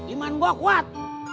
iman gue kuat